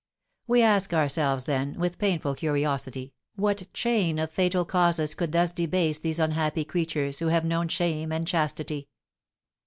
We ask ourselves, then, with painful curiosity, what chain of fatal causes could thus debase these unhappy creatures, who have known shame and chastity?